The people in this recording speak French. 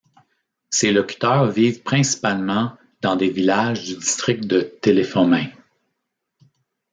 Ses locuteurs vivent principalement dans des villages du district de Telefomin.